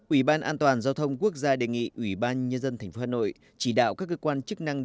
ủy ban an toàn giao thông quốc gia đề nghị ủy ban nhân dân tp hà nội chỉ đạo các cơ quan chức năng